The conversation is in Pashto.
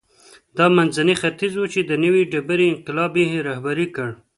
دا منځنی ختیځ و چې د نوې ډبرې انقلاب یې رهبري کړ.